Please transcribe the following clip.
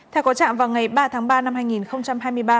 theo có trạng vào ngày ba tháng ba năm hai nghìn hai mươi ba